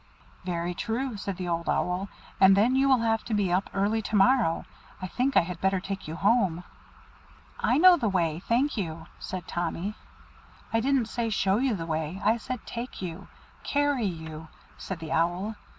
"Very true," said the Old Owl, "and then you will have to be up early to morrow. I think I had better take you home." "I know the way, thank you," said Tommy. "I didn't say show you the way, I said take you carry you," said the Owl.